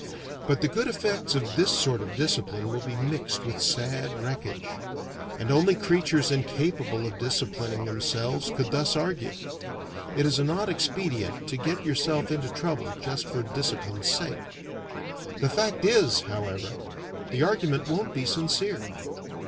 But the good effects of this sort of discipline will be mixed with sad wreckage. And only creatures incapable of disciplining themselves could thus argue. It is an odd expedient to get yourself into trouble just for discipline's sake. The fact is, however, the argument won't be sincere.